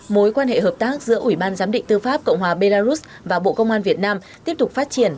mối quan hệ hợp tác giữa ủy ban giám định tư pháp cộng hòa belarus và bộ công an việt nam tiếp tục phát triển